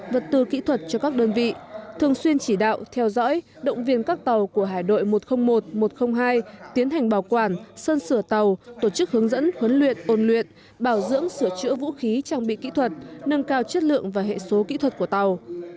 vật tư kỹ thuật cho các đơn vị thường xuyên chỉ đạo theo dõi động viên các tàu của hải đội một trăm linh một một trăm linh hai tiến hành bảo quản sơn sửa tàu tổ chức hướng dẫn huấn luyện ôn luyện bảo dưỡng sửa chữa vũ khí trang bị kỹ thuật nâng cao chất lượng và hệ số kỹ thuật của tàu